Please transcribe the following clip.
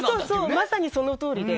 まさにそのとおりで。